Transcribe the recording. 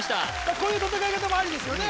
こういう戦い方もありですよね